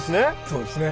そうですね。